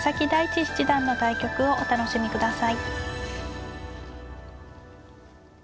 七段の対局をお楽しみください。